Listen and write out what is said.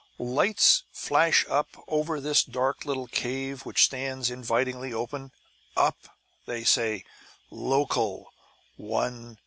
Lights flash up over this dark little cave which stands invitingly open: UP, they say, LOCAL 1 13.